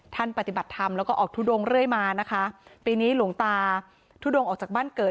ปฏิบัติธรรมแล้วก็ออกทุดงเรื่อยมานะคะปีนี้หลวงตาทุดงออกจากบ้านเกิด